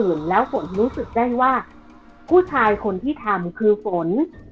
แล้วฝนรู้สึกได้ว่าผู้ชายคนที่ทำคือฝน